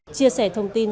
chia sẻ thông tin